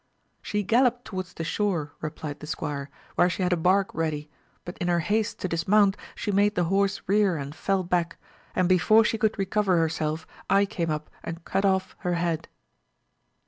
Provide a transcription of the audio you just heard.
She gallopped towards the shore, replied the squire, where she had a bark ready, but in her haste to dismount she 'made the horse rear and fell back, and before she could recover herself I came up and cut off her head.